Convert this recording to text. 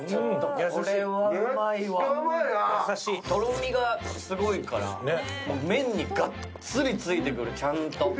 とろみがすごいから麺にがっつりついてくる、ちゃんと。